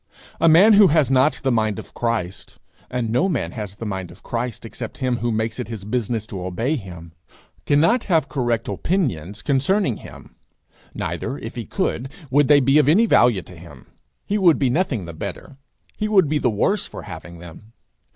A man who has not the mind of Christ and no man has the mind of Christ except him who makes it his business to obey him cannot have correct opinions concerning him; neither, if he could, would they be of any value to him: he would be nothing the better, he would be the worse for having them.